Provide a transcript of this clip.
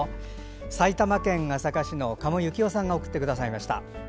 埼玉県朝霞市の加茂幸雄さんが送っていただきました。